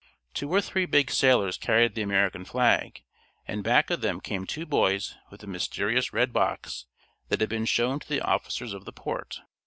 Two or three big sailors carried the American flag, and back of them came two boys with the mysterious red box that had been shown to the officers of the port.